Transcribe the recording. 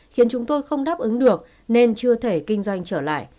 khiến chúng tôi không đáp ứng được nên chưa thể kinh doanh trở lại